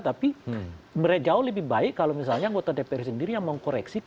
tapi mereka jauh lebih baik kalau misalnya anggota dpr sendiri yang mau koreksi